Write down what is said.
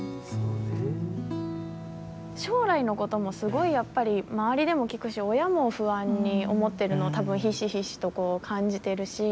将来のこともすごい、やっぱり周りでも聞くし親も不安に思ってるのを多分ひしひしと、こう感じてるし。